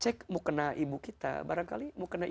cek mau kena ibu kita barangkali mau kena ibu kita juga